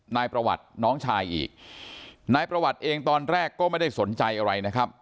นายประวัติน้องชายอีกนายประวัติเองตอนแรกก็ไม่ได้สนใจอะไรนะครับ